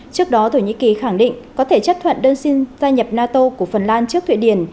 trước đó thổ nhĩ kỳ khẳng định có thể chấp thuận đơn xin gia nhập nato của phần lan trước thụy điển